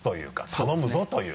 頼むぞという。